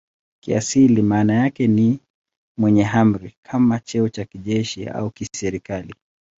Kiasili maana yake ni "mwenye amri" kama cheo cha kijeshi au kiserikali.